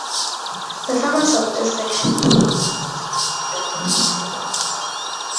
The farmers of this section do not make much account of the breed.